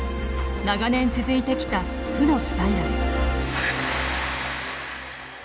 長年続いてきた負のスパイラル。